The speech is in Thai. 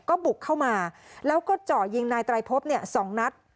ก็บุกเข้ามาแล้วก็เจาะยิงนายไตรพบ๒นัด